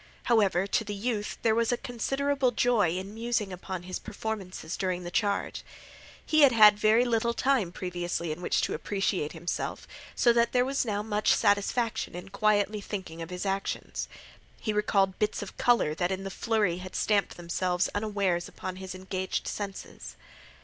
However, to the youth there was a considerable joy in musing upon his performances during the charge. He had had very little time previously in which to appreciate himself, so that there was now much satisfaction in quietly thinking of his actions. He recalled bits of color that in the flurry had stamped themselves unawares upon his engaged senses.